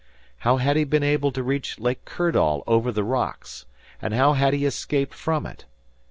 How had he been able to reach Lake Kirdall over the rocks; and how had he escaped from it?